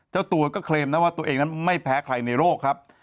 เจ้าตัวก็เคลมนะว่าตัวเองนั้นไม่แพ้ใครในโลกครับ